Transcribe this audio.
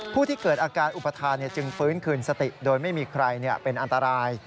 ผู้ที่เกิดอาการอุปทานจึงฟื้นคืนสติโดยไม่มีใครเป็นอันตราย